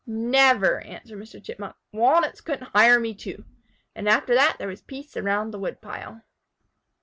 "Never!" answered Mr. Chipmunk. "Walnuts couldn't hire me to!" And after that there was peace around the woodpile.